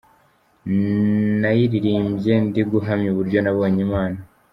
Nayiririmbye ndi guhamya uburyo nabonye Imana.